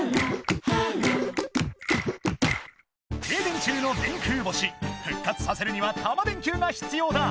停電中の電空星復活させるにはタマ電Ｑが必要だ！